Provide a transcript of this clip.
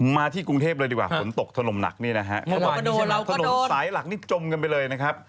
มาที่กรุงเทพภัยส่วนตกทศนมหนักทศนมสายหลักจมกันไปเลยนะครับ